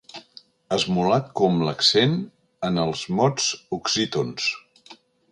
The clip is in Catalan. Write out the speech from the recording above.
Esmolat com l'accent en els mots oxítons.